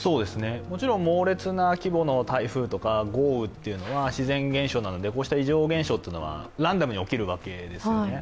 もちろん猛烈な規模の台風とか豪雨というのは自然現象なので、こうした異常現象はランダムに起きるわけですよね。